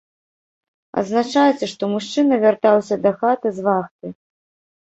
Адзначаецца, што мужчына вяртаўся дахаты з вахты.